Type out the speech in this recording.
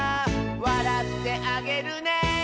「わらってあげるね」